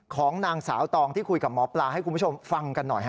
ของนางสาวตองที่คุยกับหมอปลาให้คุณผู้ชมฟังกันหน่อยฮะ